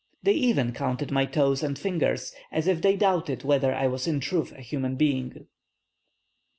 They even counted my toes and fingers, as if they doubted whether I was in truth a human being."